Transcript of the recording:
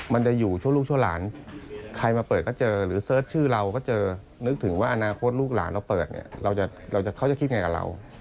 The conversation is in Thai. พวกลูกหลานเขาเปิดเขาจะคิดอย่างไรกับเรา